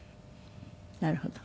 なるほど。